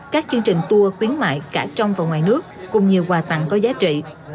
các chương trình tour khuyến mại cả trong và ngoài nước cùng nhiều quà tặng có giá trị